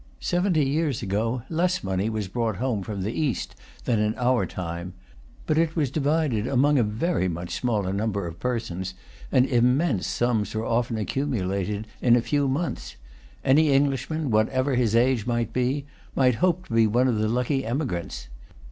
Seventy years ago, less money was brought home from the East than in our time. But it was divided among a very much smaller number of persons, and immense sums were often accumulated in a few months. Any Englishman, whatever his age might be, might hope to be one of the lucky emigrants.